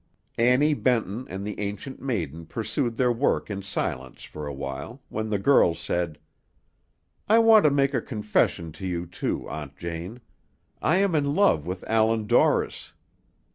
Annie Benton and the Ancient Maiden pursued their work in silence for a while, when the girl said, "I want to make a confession to you, too, Aunt Jane. I am in love with Allan Dorris."